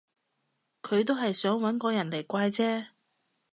佢都係想搵個人嚟怪啫